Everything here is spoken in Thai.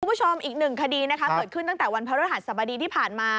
คุณผู้ชมอีกหนึ่งคดีนะคะเกิดขึ้นตั้งแต่วันพระฤหัสสบดีที่ผ่านมา